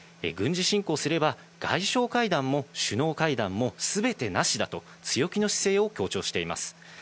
軍事侵攻すれば外相会談も首脳会談もすべてなしだと強気の姿勢を強調しています。